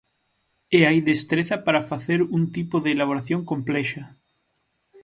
E hai destreza para facer un tipo de elaboración complexa.